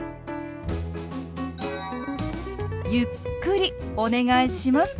ゆっくりお願いします。